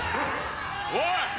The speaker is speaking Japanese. おい！